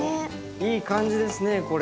いい感じですねこれ。